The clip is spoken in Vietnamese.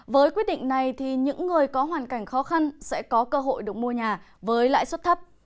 với quyết định này thì những người có hoàn cảnh khó khăn sẽ có cơ hội được mua nhà với lãi suất thấp